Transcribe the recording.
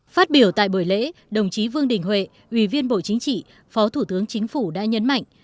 phát biểu tại buổi lễ đồng chí vương đình huệ ủy viên bộ chính trị phó thủ tướng chính phủ đã nhấn mạnh